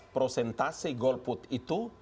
prosentasi golput itu